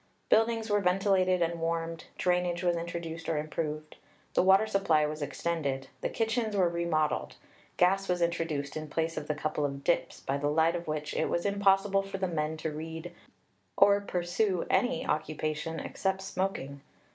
Buildings were ventilated and warmed. Drainage was introduced or improved. The water supply was extended. The kitchens were remodelled. Gas was introduced in place of the couple of "dips," by the light of which it was impossible for the men to read or pursue any occupation except smoking.